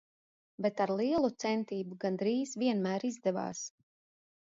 Bet ar lielu centību gandrīz vienmēr izdevās.